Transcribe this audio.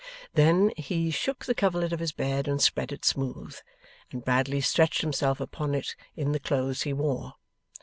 Then, he shook the coverlet of his bed and spread it smooth, and Bradley stretched himself upon it in the clothes he wore.